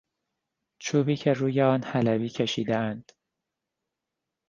چوبی که روی آن حلبی کشیدهاند